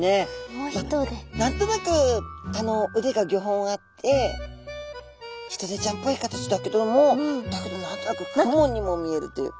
何となくあの腕が５本あってヒトデちゃんっぽい形だけどもだけど何となくクモにも見えるという。